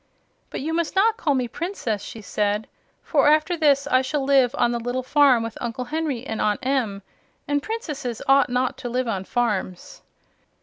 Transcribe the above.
"But you must not call me 'Princess'," she said; "for after this I shall live on the little farm with Uncle Henry and Aunt Em, and princesses ought not to live on farms."